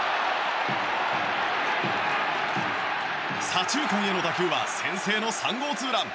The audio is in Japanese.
左中間への打球は先制の３号ツーラン。